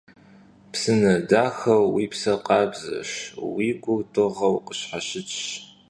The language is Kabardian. Psıne daxeu vui pser khabzeş, vui gur dığeu khısşheşıtş.